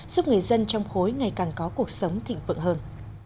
giúp người dân trong khối ngày càng có cuộc sống thịnh vượng hơn